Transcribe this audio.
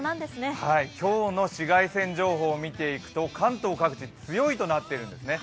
はい、今日の紫外線情報を見ていくと、関東各地、「強い」となっているんですね。